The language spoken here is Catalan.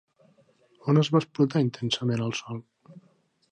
On es va explotar intensament el sòl?